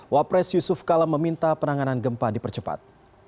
wapres yusuf kala meminta penanganan gempa dipercepat